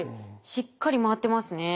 しっかり回ってますね。